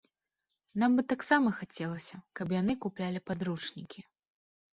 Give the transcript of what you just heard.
Нам бы таксама хацелася, каб яны куплялі падручнікі.